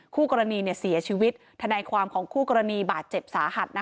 คู่กรณีเสียชีวิตทนายความของคู่กรณีบาดเจ็บสาหัส